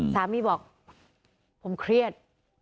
สามีบอกผมเครียด